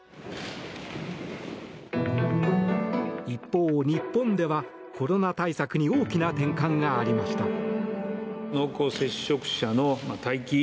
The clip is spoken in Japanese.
一方、日本ではコロナ対策に大きな転換がありました。